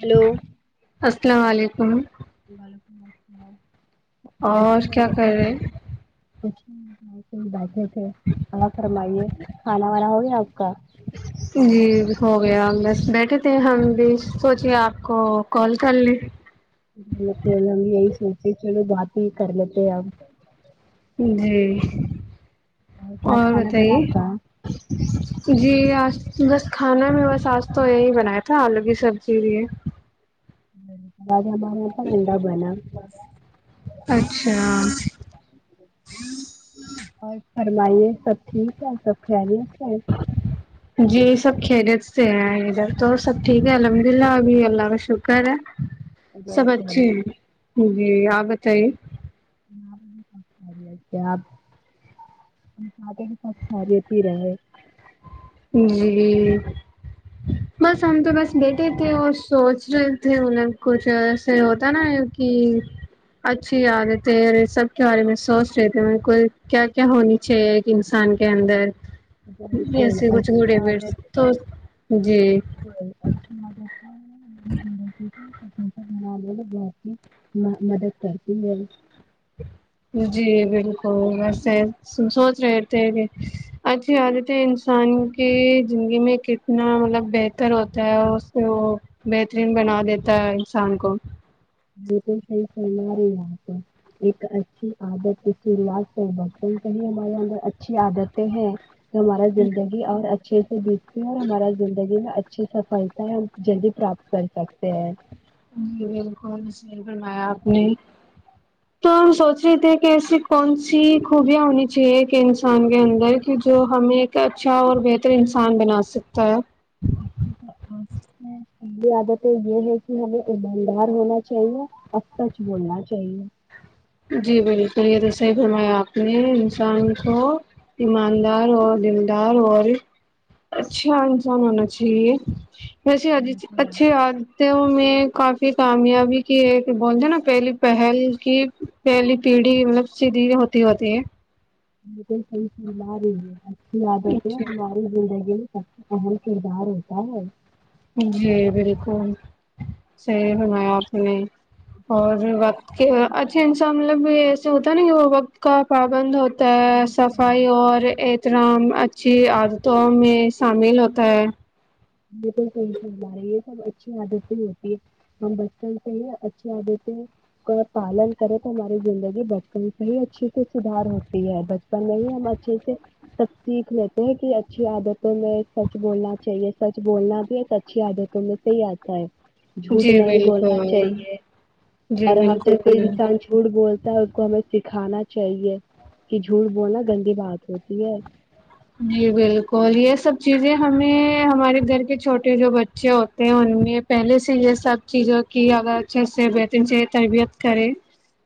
hello السلام علیکم وعلیکم السلام اور کیسے ہیں کیا آپ کر رہے کچھ بیٹھے تھے ا فرمائیے کھانا وانا ہو گیا آپ کا جی ہو گیا بس بیٹھے تھے ہم بھی سوچے آپ کو کال کر لیں بالک ہم یہی سے چلو باات ہی کر لیتے ہیں ہم جی کیا اور کھانا بنا آپ کا بتائیے جی آج بس کھانا میں بس آج تو یہی بنایا تھا آلو کی سبزی بھی ویلیکم ا مار انڈا بنایا اچھا اور فرمائیے سب ٹھیک ہے سب خیری سے جی سب خریت سے ہیں ادھر تو سب ٹھیک ہے الحمد اللہ ابھی اللہ کا شکر ہے سب بالکل اچھے ہیں جی آپ بتائیے آپ س خاریت ہی رہ جی بس ہم تو بس بیٹھے تھے اور سوچ رہے تھے مطلب کچھ ایسے ہوتا نا کہ اچھی عادت ہے سب کے بارے میں سوچ رہے تھے مط کو کیا کیا ہونی چاہیے ایک انسان کے اندر ج ج پ ایسے کچھ اچھی گڈ ہیبٹس عادت تو جی بالکل اچھی عادت ہے ہ ہ جٹھیک ہے پسا بنا میں بہت ہی مدد کرتی ہے جی بالکل ویسے سوچ رہے تھے کہ اچھی آدت ہے انسان کی زندگی میں کتنا مطلب بہتر ہوتا ہے اس سے وہ بہترین بنا دیتا ہے انسان کو بالکل صحی ف ایک اچھی عادت کسیج سے برتن کہی ہمارے اندر اچھی عادتیں ہیں ہمارا زندگی اور اچھے سے جتتے ہیں اور ہمارا زندگی میں اچھی سفلتایں ہم جلدی پراپت کر سکتے ہیں جی بالکل بوایا آپ نے تو ہم سوچ رہے تھے کہ ایسی کون سی خوبیاں ہونی چاہیے انسان کے اندر کی جو ہمیں ایک اچھا اور بہتر انسان بنا سکتا ہے اچ الی عادتیں یہ ہے کہ ہمیں ایماندار ہونا چاہیے اور سچ بولنا چاہیے جی بالکل یہ تو صحیح فرمایا اپپ نے انسان کو ایماندار اور دل دار اور اچھا انسان ہونا چاہیے ویسیے اجی بالکل اچھی آ میں کافی کامیابی کی ہے کہ بولتے نا پہلی پہل کی پہلی پیڑھی مطلب سیدھی ہوتی ہوتی ہے م تو سی سلو رہی ہے زدتیں ہماری زندگی سب اہم کردار ہوتا ہے جی بالکل صحی ہماپ نے میرے اور بچپن وقت کے سے ہی اچھے انسان مطلب بھی ای ہوتا ہے نا کہ وہ وقت کا پابند ہوتا ا بالکل صفائی اور احترام اچھی عادتوں میں شامل ہوتا ہے ب صحیح ہمارے یہ سب اچھی عادتیں ہوتی ہے ہم بچپن سے ہی اچھی عادتیں کا پالن کریں تو ہماری زندگی بچپن سے ہی اچھے سے سدھار ہوتی ہے بچپن میں ہی ہم اچھے سے سب سیکھ لیتے ہیں کہ اچھی عادتوں میں سچ بولنا چاہیے سچ بولنا بھی ہے اچھی عادتوں میں سے ہی آتا ہے جھوٹ جی نہیں بولنا بالکل چاہیے جی اور ہم جب کوئی بالکل انسان جھوٹ بول کو ہمیں سکھانا چاہیے کہ جھوٹ بولنا گندی بات ہوتی ہے جی بالکل یہ سب چیزیں ہمیں ہمارے گھر کے چھوٹے جو بچے ہوتے ہیں ان میں پہلے سے یہ سب چیزوں کی اگر اچھے سے بہترین سے تربیت کرے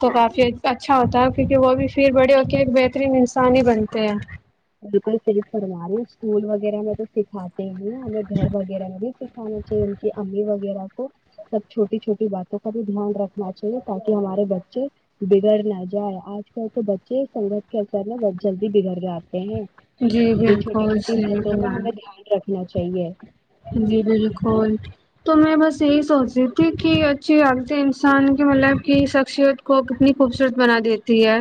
تو کافی اچھا ہوتا ہے کیونکہ وہ بھی پھر بڑے ہو کے ایک بہترین انسان ہی بنتے ہیں بالکل صرف پڑھوا رہی ہ سکول وغیرہ میں تو سکھاتے نہیں ہ ہمیں گھر وغیرہ م بھی سکھا ان کی امی وغیرہ کو سب چھوٹی چھوٹی باتوں کا بھی دھیان رکھنا چاہیے تاکہ ہمارے بچے بگڑ نہ جائے آج کل تو بچے سنگت کے اثر میں بہت جلدی بگڑ جاتے جی یہ چھوٹی بالکل چھوٹی صحیح باتوں کا فرمایا ہمیں دھیان رکھنا چاہیے جی بالکل تو میں بس یہی سوچ رہی تھی کہ اچھی غالطیں انسان کے مطلب کی شخصیت کو کتنی خوبصورت بنا دیتی ہے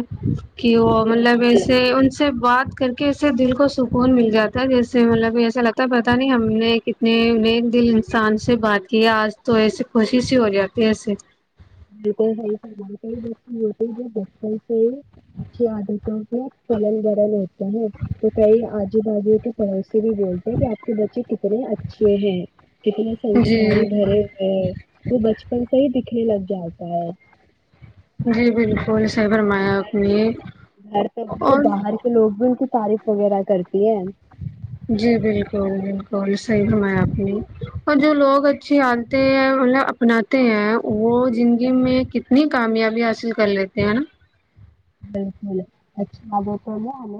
کہ وہ مطلب بالکل ایسے ان سے بات کر کے اس سے دل کو سکون مل جاتا ہے جس سے مطلب ایسا لگتا ہے پتاہ نہیں ہم نے نے انہیں دل انسان سے بات کی آج تو ایسے کوشش ہی ہو جاتی ایسے بالکل صی فمال کئی بچے ہوتے جو بچوں سے اچھی عادتوں سے پلل برل ہوتے ہیں تو کئی آجو باازو کے پڑس بھی بولتے ہیں کہ آپ کے بچے کتنے اچھے ہیں کتنے سنسکاری جی بھرے ہوئے ہیں وہ بچپن سے ہی ک لگے کیا ہوتا ہے جی بالکل صحیح فرمایا گھر آپ نے گھر پر گھر اور باہر کے لوگ بھی ان کے تعریف وغیرہ کرتی ہے جی بالکل بالکل صحیح فرمایا اپ نے اور جو لوگ اچھی آتے ہیں مطلب اپناتے ہیں وہ زندگی میں کتنی کامیابی حاصل کر لیتے ہیں ہے نا بالکل اچھی بتوں میں ہمیں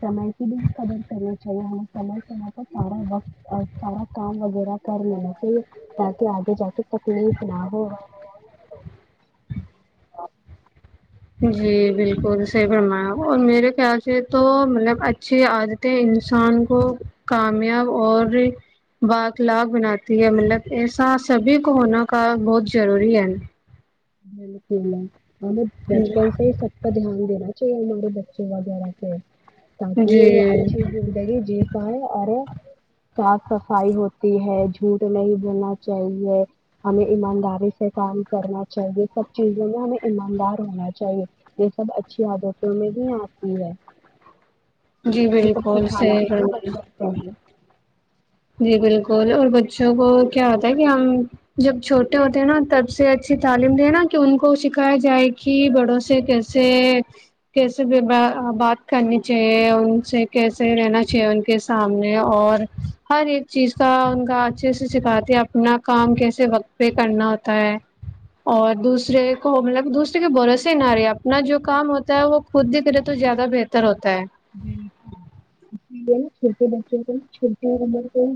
سم کی بھی قدر کرنی چاہیے ہمیں سم سمے پر سارا وقت سارا کام وغیرہ کر لینا چاہیے تاکہ آگے جا کے تکلیف نہ ہوگا جی بالکل سے برمایا اور میرے کیاسے تو مطلب اچھی عادتیں انسان کو کامیاب اور بااکلاغ بناتی ہے مطلب ایسا سبھی کو ہونا کا بہت ضروری ہے بالک ل ہم بچپن سے ہی سپا دھیان دین چ ش مے بچے وغیرہ سے تاکہ جی وہ اچھی زندگی جی اور صاف صفائی ہوتی ہے جھوٹ نہیں بولنا چاہیے ہمیں ایمانداری سے کام کرنا چے سب چیزوں میں ہمیں ایماندار ہونا چاہیے یہ سب اچھی عادتوں میں بھی آتی ہے جی یہ سب کچھ بالکل کھانا صحیح چاہیے فرمایا بس پہے جی بالکل اور بچوں کو کیا ہوتا ہے کہ ہم جب چھوٹے ہوتے ہیں نا تب سے اچھی تعلیم دیں نا کہ ان کو سکھایا جائے کہ بڑوں سے کیسے کیسے بات کرنی چاہیے ان سے کیسے رہنا چاہیے ان کے سامنے اور ہر ایک چیز کا ان کا اچھے سے سکھاتی ہے اپنا کام کیسے وقت پہ کرنا ہوتا ہے اور دوسرے کو مطلب دوسرے کے بھروسے نہ رہے اپنا جو کام ہوتا ہے وہ خود دکھ رہے تو زیادہ بہتر ہوتا ہے بکل اسے نا چھوٹے بچوں کو چھوٹی عمر کو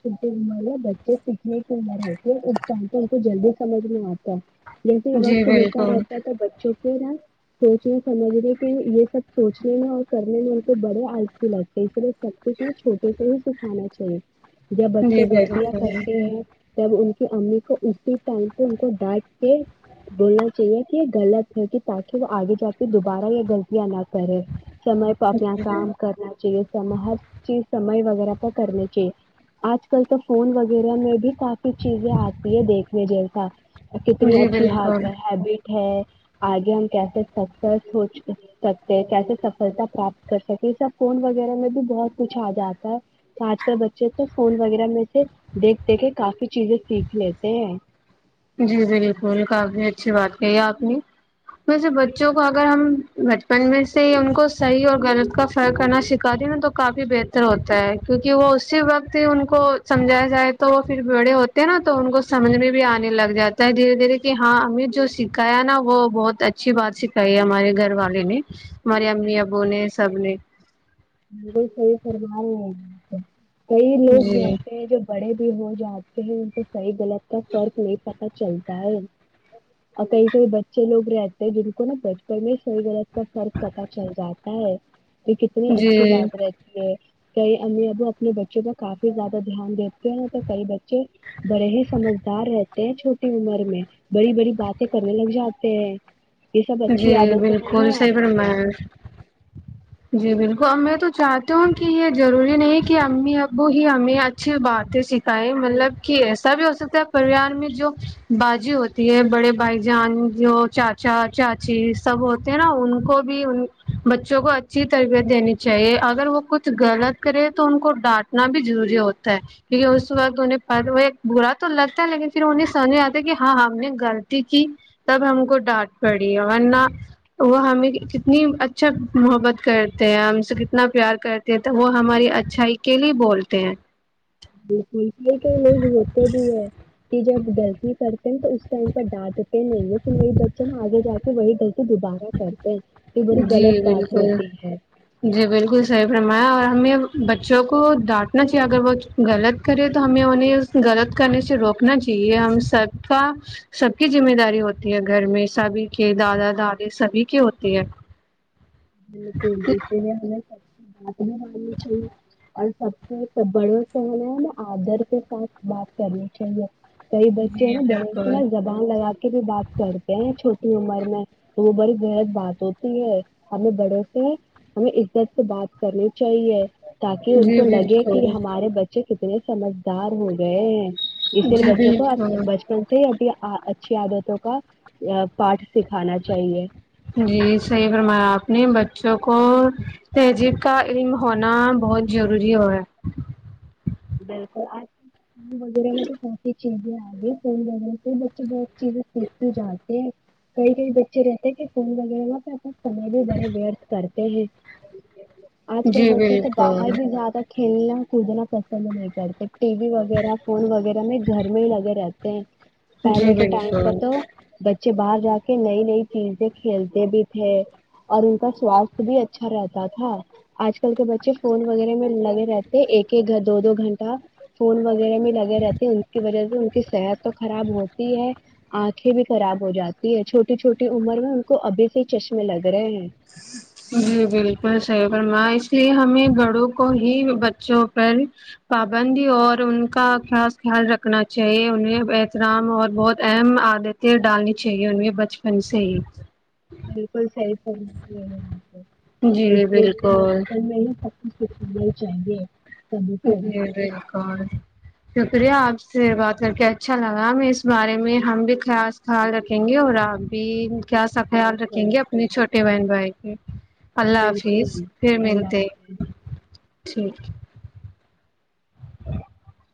چھوٹی عمر میں بچے سکھنے کی عمر ہوتے ہیں چاہتے ان کو جلدی سمجھ میں آتا ہے جیسے جی وقت ہوتا بالکل رہتا ہے تو بچوں ا سوچ رہے سمجھ لے کہ یہ سب سوچنے میں اور کرنے میں ان کو بڑے آل ف لگتے پ سب کچھ ہے چھوٹے سے ہی کھانا چاہیے جب بچے جی غلطیاں کرتے بالکل ہیں جب ان کی امی کو اسی ٹائم پہ ان کو ڈانٹ کے بولنا چاہیے کہ یہ غلط ہوگی تاکہ وہ آگے جا کے دوبارہ یہ غلطیاں نہ کرے سمے پ اپنا کام کرنا چاہیے س ہر چیز سم و وہ کرنے کےاہ آج کل تو فون وغیرہ میں بھی کافی چیزیں آتی ہے دیکھنے جیسا کتنی جی اچھی بالکل ہیبٹ ہے آگے ہم کیسے سکتے سوچ سک کیسے سفلتا پراپت کر سکے سب فون وغیرہ میں بھی بہت کچھ آ جاتا ہے تو آج کل بچے تو فون وغیرہ میں سے دیکھ د کے کافی چیزیں سیکھ لیتے ہیں جی بالکل کافی اچھی بات کہی آپ نے ویسے بچوں کو اگر ہم بچپن میں سے ان کو صحیح اور غلط کا فر کرنا سکھات د نا تو کافی بہتر ہوتا ہے کیونکہ وہ اسی وقت ہی ان کو سمجھایا جائے تو وہ پھر بڑے ہوتے ہیں نا تو ان کو سمجھ میں بھی آنے لگ جاتا ہے دھیرے دھیرے کہ ہاں ایں جو سکھایا نا وہ بہت اچھی بات سکھائی ہمارے گھر والے نے ہماری امی ابو نے سب نے صحیح فرما رہے ہیں کئی لوگ جی ہوتے ہیں جو بڑے بھی ہوتے آتے ہیں ان کو صحیح غلط کا فرق نہیں پتا چلتا ہے اور کئی کئی بچے لوگ رہتے ہیں جن کو نا بچپن میں صحیح غلط کا فرق پتا چل جاتا ہے یہ کتنی اچ [unintelligible] جی اچھی بات رہتی ہے کئی امی ابو اپنے بچوں پر کافی زیادہ دھیان دیتے ہیں نہ تو کئی بچے بڑے ہی سمجھدار رہتے ہیں چھوٹی عمر میں بڑی بڑی باتیں کرنے لگ جاتے ہیں یہ سب اچھی جی عادتوں میں بالکل ہی صحی پر آتی ہے میں جی بالکل اب میں تو چاہتی ہوں کہ یہ ضروری نہیں کہ امی ابو ہی ہمیں اچھی باتیں سیکھ یں مطلب کہ بالکل ایسا بھی ہو سکتا ہے پریوار میں جو باازی ہوتی ہے بڑے بھائی جان جو چاچا چاچی سب ہوتے ہیں نا ان کو بھی ان بچوں کو اچھی تربیت دینی چاہیے اگر وہ کچھ غلط کرے تو ان کو ڈانٹنا بھی ضروری ہوتا ہے کیونکہ اس وقت انہیں وہ ایک برا تو لگتا ہے لیکن پھر انہیں سمجھ آتا ہے کہ ہاں ہم نے غلطی کی تب ہم کو ڈانٹ پڑی ورنہ وہ ہمیں کتنی اچھا محبت کرتے ہیں ہم سے کتنا پیار کرتے ہیں تو وہ ہماری اچھائی کے لیے بولتے ہیں بالکل ک کئی لوگ ہوتے بھی ہے کہ جب غلطی کرتے ہیں تو ٹائم پر ڈانٹتے نہیں ہیں تو مری بچے آگے جا کے وہی لط دوبارہ کرتے ہیں یہ بڑی جی غلط بات بالکل ہوتی ہے جی بالکل صحیح فمایا اور ہمیں بچوں کو ڈانٹنا چاہیے اگر وہ غلط کرے تو ہمیں انہیں غلط کرنے سے روکنا چ ہم سب کا سب کی ذمہ داری ہوتی ہے گھر میں سبھی کے دادا دادی سبھی کے ہوتے ٹھیک ہے بکل دیتےے ہیں ہا انیں بارے میں چاہیے اور سبنے س بڑوں سے ہمیں ہے نا آدر کے ساتھ بات کرنی چاہیے کئی بچے ہیں جی نا بڑوں سے بالکل نا زبان لگا کے بھی بات کرتے ہیں چھوٹ عمر میں تو وہ بڑی بےحد بات ہوتی ہے ہمیں بڑوں سے ہمیں عزت سے بات کرنی چاہیے تاکہ ان جی کو لگے کہ بالکل ہمارے بچے کتنے سمجھدار ہو گئے اسی لیے جی بچوں کو بالکل بچپن سے ابھی اچھی عادتوں کا پاٹ جی صحیح فرمایا آپ اپنے بچوں کو تہذیب کا علم ہونا بہت ضروری ہو ہے بالکل آج کل فون وغیرہ میں تو ب سی چیزیں آ گی فون وغیرہ پہ بچے بہت چیزیں سیکھتے جانتے ہیں کئی کئی بچے رہتے کہ فون وغیرہ پ سمے برے بیٹت کر ا ہ آج کل جی بچے تو بالکل باہر بھی زیادہ کھیلنا کھنا کل نہیں کاتے ٹی وی وغیرہ فون وغیرہ میں گھر میں ہی لگے رہتے ہیں جی پہلے کے ٹائم بالکل پر تو ب ب باہر جا کے نئی نئی چیزیں کھیلتے بھی تھے اور ان کا سواستھ بھی اچھا رہتا تھا آج کل کے بچے فون وغیرہ میں لگے رہتے ایک ایک گھر دو دو گھنٹہ فون وغیرہ میں لگے رہتے ہیں ان کی وجہ سے ان کی صحت تو خراب ہوتی ہے آنکھیں بھی خراب ہو جاتی ہے چھوٹی چھوٹی عمر میں ان کو ابھی سے چشمے لگ رہے ہیں جی بالکل صحیح رما اس لیے ہمیں گڑوں کو ہی بچوں پر پابندی اور ان کا خاص خیال رکھنا چاہیے انہیں احترام اور بہت اہم عادتیں ڈالنی چاہیے انیں بچپن سے ہی بالکل صحیح ے آ کو اس جی لیےے بالکل بچپن میں ہی سب کچھ سکھانا ہی چاہیے سبھی کو ا [unintelligible] تویا آپ سے بات کر کے اچھا لگا ہمیں اس بارے میں ہم بھی خیااص خیال رکھیں گے اور آپ بھی کیا سا خیال رکھیں بالکل گے اپنی چھوٹے بہن بائےیک اللہ حافظ بالکل پھر اللہ ملتے حافظ ٹھیک ج